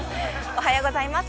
◆おはようございます。